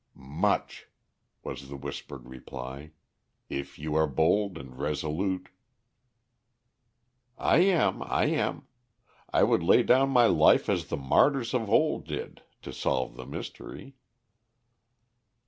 "Much," was the whispered reply. "If you are bold and resolute." "I am, I am. I would lay down my life as the martyrs of old did to solve the mystery."